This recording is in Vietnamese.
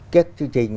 các chương trình